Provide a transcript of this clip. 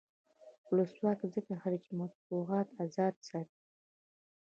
ولسواکي ځکه ښه ده چې مطبوعات ازاد ساتي.